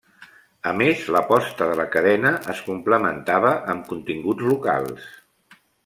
A més, l'aposta de la cadena es complementava amb continguts locals.